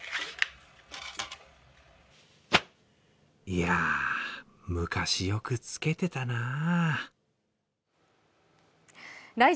いやあ、昔よくつけてたなあ。